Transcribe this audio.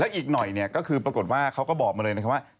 อีกหน่อยเนี่ยก็คือปรากฏว่าเขาก็บอกมาเลยนะครับว่า